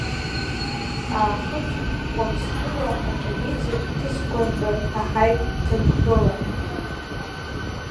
Аахыҵ Уаԥстәыла атрагедиатә хҭысқәа ртәы ҳаҳаит Ҭырқәтәыла.